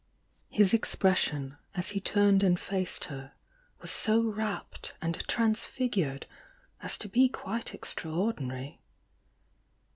His expression, as he turned and faced her^ was so rapt and transfigured as to be quite extraordinary.